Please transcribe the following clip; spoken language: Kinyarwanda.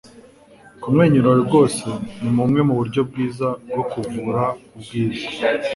kumwenyura rwose ni bumwe mu buryo bwiza bwo kuvura ubwiza